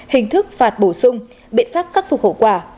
hình thức phạt bổ sung biện pháp khắc phục hậu quả